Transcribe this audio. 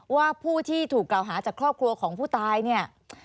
ว่าผู้ที่ถูกกล่าวหาจากครอบครัวของผู้ตายเนี่ย